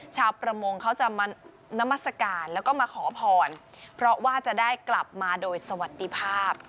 ชาวประมงเขาจะมานามัศกาลแล้วก็มาขอพรเพราะว่าจะได้กลับมาโดยสวัสดีภาพ